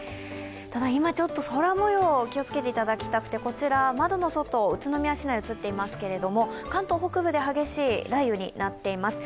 今、ちょっと空もよう気をつけていただきたくてこちら、窓の外、宇都宮市内映っていますけれども、関東北部で激しい雷雨になっています。